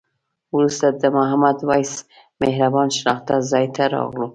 وروسته د محمد وېس مهربان شناخته ځای ته راغلو.